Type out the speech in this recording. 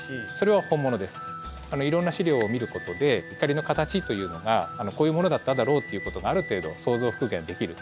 いろんな資料を見ることで碇の形というのがこういうものだっただろうっていうことがある程度想像復元できる。